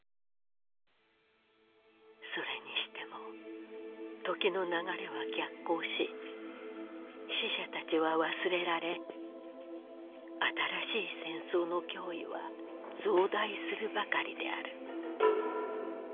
それにしても時の流れは逆行し死者たちは忘れられ新しい戦争の脅威は増大するばかりである。